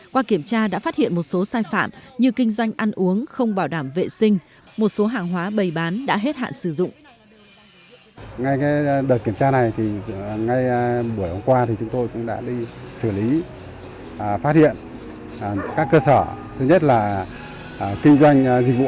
qua kiểm tra đã phát hiện một số sai phạm như kinh doanh ăn uống không bảo đảm vệ sinh một số hàng hóa bày bán đã hết hạn sử dụng